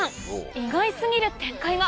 意外過ぎる展開が！